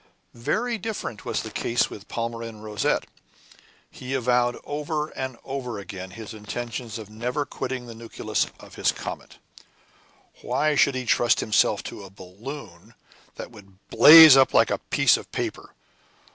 Very different was the case with Palmyrin Rosette. He avowed over and over again his intention of never quitting the nucleus of his comet. Why should he trust himself to a balloon, that would blaze up like a piece of paper?